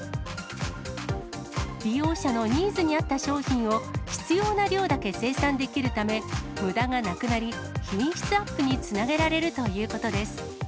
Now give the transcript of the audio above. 利用者のニーズに合った商品を必要な量だけ生産できるため、むだがなくなり、品質アップにつなげられるということです。